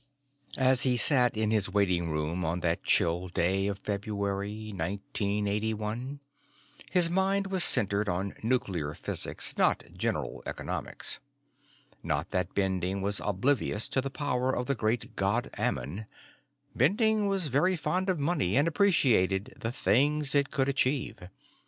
As he sat in his waiting room on that chill day of February, 1981, his mind was centered on nuclear physics, not general economics. Not that Bending was oblivious to the power of the Great God Ammon; Bending was very fond of money and appreciated the things it could achieve.